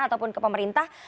ataupun ke pemerintah